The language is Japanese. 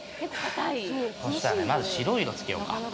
そしたら、まず白い色をつけようか。